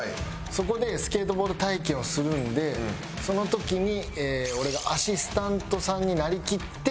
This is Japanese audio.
そこでスケートボード体験をするんでその時に俺がアシスタントさんになりきって。